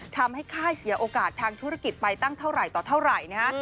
ค่ายเสียโอกาสทางธุรกิจไปตั้งเท่าไหร่ต่อเท่าไหร่นะฮะ